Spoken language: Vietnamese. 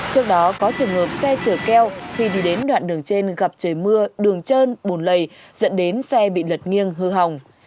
trước đó có trường hợp xe chở keo khi đi đến đoạn đường trên gặp trời mưa đường trơn bồn lầy dẫn đến xe bị lật nghiêng hư hỏng